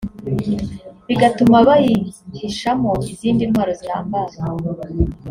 bigatuma bayihishamo izindi ntwaro zihambaye